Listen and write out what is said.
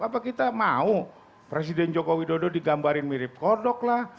apa kita mau presiden joko widodo digambarin mirip kodok lah